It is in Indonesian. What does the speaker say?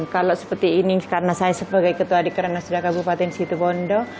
kalau seperti ini karena saya sebagai ketua dekranas di kabupaten situbondo